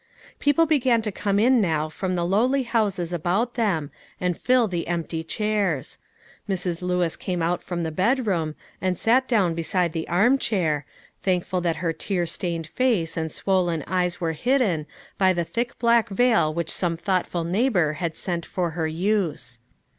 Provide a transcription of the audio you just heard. People began to come in now from the lowly houses about them, and fill the empty chairs. Mrs. Lewis came out from the bedroom, and sat down beside the arm chair, thankful that her tear stained face and swollen eyes were hidden, by the thick black veil which some thoughtful neighbour had sent for her use.